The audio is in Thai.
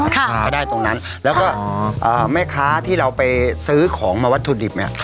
ก็ได้ตรงนั้นแล้วก็แม่ค้าที่เราไปซื้อของมาวัตถุดิบเนี่ย